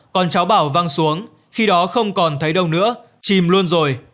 còn cháu bảo văng xuống khi đó không còn thấy đâu nữa chìm luôn rồi